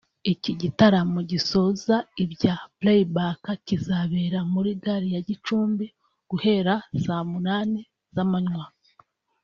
Iki gitaramo gisoza ibya playback kizabera muri Gare ya Gicumbi guhera saa munani z’amanywa